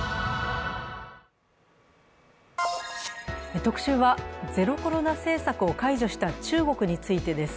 特集は、ゼロコロナ政策を解除した中国についてです。